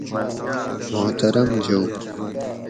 محترم جوؤ!